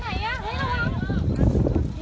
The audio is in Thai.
สวัสดีครับคุณพลาด